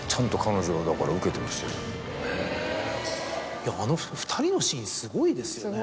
いやあの２人のシーンすごいですよね。